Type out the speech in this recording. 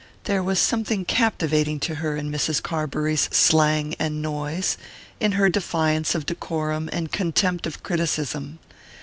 There was something captivating to her in Mrs. Carbury's slang and noise, in her defiance of decorum and contempt of criticism.